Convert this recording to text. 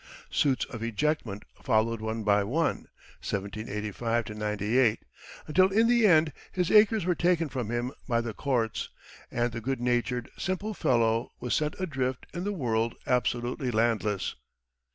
Suits of ejectment followed one by one (1785 98), until in the end his acres were taken from him by the courts, and the good hearted, simple fellow was sent adrift in the world absolutely landless.